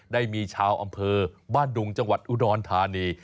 ได้มีชาวอำเภอบ้านดุงจังหวัดอุดรธานี